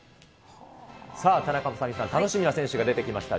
さあ、田中雅美さん、楽しみな選手が出てきました。